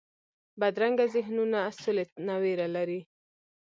بدرنګه ذهنونونه سولې نه ویره لري